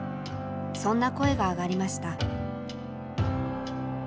そんな声が上がりました。